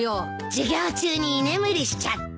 授業中に居眠りしちゃって。